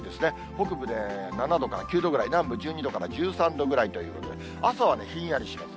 北部で７度から９度ぐらい、南部１２度から１３度ぐらいということで、朝はひんやりします。